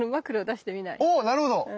おおなるほど。